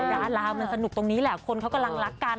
ดารามันสนุกตรงนี้แหละคนเขากำลังรักกัน